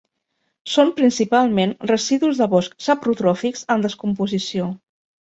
Són principalment residus de bosc saprotròfics en descomposició.